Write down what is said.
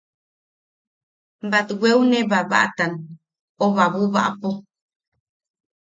Batweune babaʼatan o babubaʼapo.